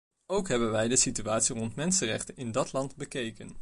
Ook hebben wij de situatie rond de mensenrechten in dat land bekeken.